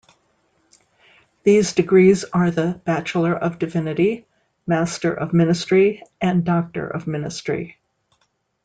These degrees are the Bachelor of Divinity, Master of Ministry and Doctor of Ministry.